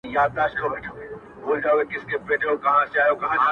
o په يوه کتاب څوک نه ملا کېږي٫